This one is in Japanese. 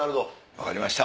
分かりました。